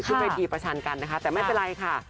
ขึ้นเวทีประชันกันนะคะแต่ไม่เป็นไรค่ะ